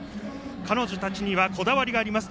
彼女たちにはこだわりがあります。